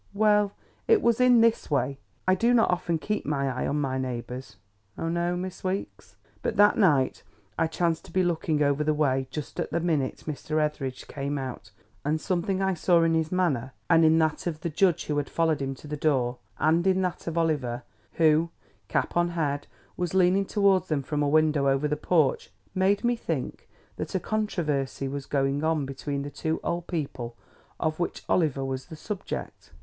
"Well, it was in this way. I do not often keep my eye on my neighbours (oh, no, Miss Weeks!), but that night I chanced to be looking over the way just at the minute Mr. Etheridge came out, and something I saw in his manner and in that of the judge who had followed him to the door, and in that of Oliver who, cap on head, was leaning towards them from a window over the porch, made me think that a controversy was going on between the two old people of which Oliver was the subject.